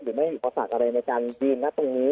ไม่มีอุปสรรคอะไรในการยืนนะตรงนี้